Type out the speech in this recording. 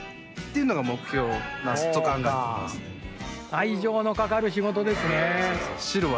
愛情のかかるしごとですね。